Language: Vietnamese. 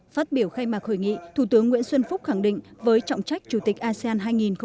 phát biểu khai mạc hội nghị thủ tướng nguyễn xuân phúc khẳng định với trọng trách chủ tịch asean hai nghìn hai mươi